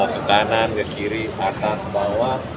ke kanan ke kiri atas bawah